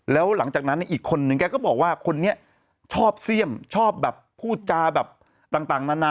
แล้วหลังจากนั้นอีกคนนึงแกก็บอกว่าคนนี้ชอบเสี่ยมชอบแบบพูดจาแบบต่างนานา